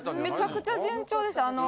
めちゃくちゃ順調でした。